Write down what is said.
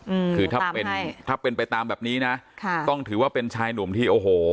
อืมคือถ้าเป็นถ้าเป็นไปตามแบบนี้นะค่ะต้องถือว่าเป็นชายหนุ่มที่โอ้โห